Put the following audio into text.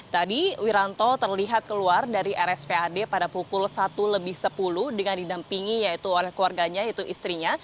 tadi wiranto terlihat keluar dari rspad pada pukul satu lebih sepuluh dengan didampingi yaitu oleh keluarganya yaitu istrinya